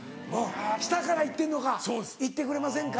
下から行ってんのか「行ってくれませんか」。